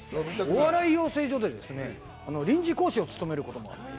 お笑い養成所で臨時講師を務めることもある。